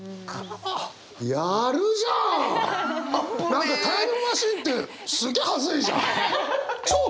何かタイムマシーンってすげえはずいじゃん！